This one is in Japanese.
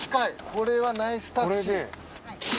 これはナイスタクシー。